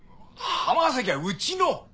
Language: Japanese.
浜崎はうちの！